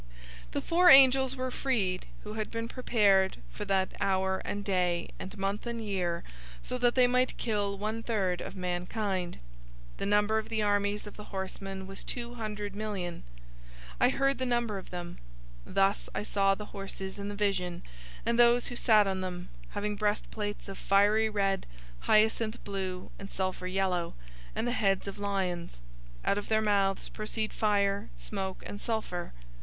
009:015 The four angels were freed who had been prepared for that hour and day and month and year, so that they might kill one third of mankind. 009:016 The number of the armies of the horsemen was two hundred million{literally, "ten thousands of ten thousands"}. I heard the number of them. 009:017 Thus I saw the horses in the vision, and those who sat on them, having breastplates of fiery red, hyacinth blue, and sulfur yellow; and the heads of lions. Out of their mouths proceed fire, smoke, and sulfur.